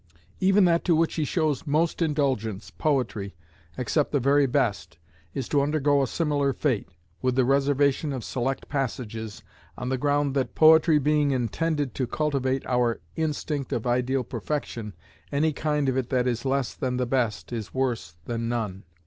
Even that to which he shows most indulgence, poetry, except the very best, is to undergo a similar fate, with the reservation of select passages, on the ground that, poetry being intended to cultivate our instinct of ideal perfection, any kind of it that is less than the best is worse than none.